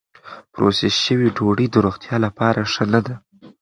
پروسس شوې ډوډۍ د روغتیا لپاره ښه نه ده.